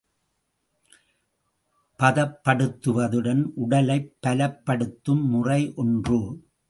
பதப்படுத்துவதுடன் உடலைப் பலப்படுத்தும் முறை ஒன்று.